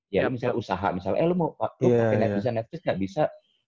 ya misalnya usaha misalnya eh lu mau pake netflix nya netflix nggak bisa